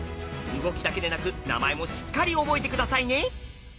動きだけでなく名前もしっかり覚えて下さいね。